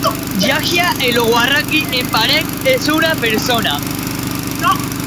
Emakumezkoak azaldu duenez, estatubatuarren buruak ziurtatu zion bizimodu hobea emango ziela.